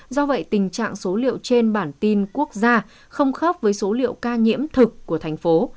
do vậy tình trạng số liệu trên bản tin quốc gia không khớp với số liệu ca nhiễm thực của thành phố